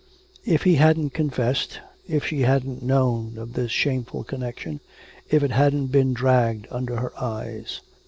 ... If he hadn't confessed, if she hadn't known of this shameful connection, if it hadn't been dragged under her eyes!